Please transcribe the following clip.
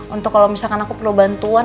untuk kalau misalkan aku perlu bantuan